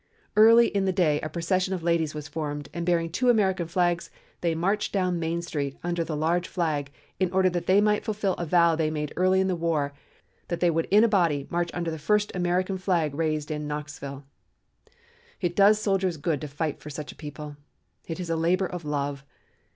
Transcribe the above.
Early in the day a procession of ladies was formed, and bearing two American flags, they marched down Main Street and under the large flag, in order that they might fulfill a vow they made early in the war that they would in a body march under the first American flag raised in Knoxville. It does soldiers good to fight for such a people. It is a labor of love.